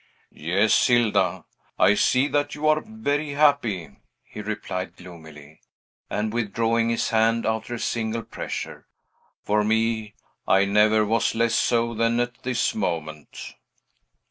"Yes, Hilda, I see that you are very happy," he replied gloomily, and withdrawing his hand after a single pressure. "For me, I never was less so than at this moment."